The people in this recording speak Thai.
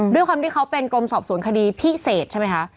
ด้วยความที่เขาเป็นกรมสอบสวนคดีพิเศษใช่ไหมคะ